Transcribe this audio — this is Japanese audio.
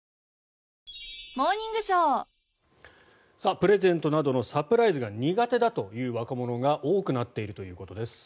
プレゼントなどのサプライズが苦手だという若者が多くなっているということです。